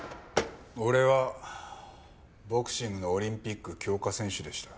俺はボクシングのオリンピック強化選手でした。